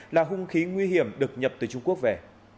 là hung khí nguy hiểm được nhập từ trung quốc về